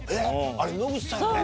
あれ野口さんよね。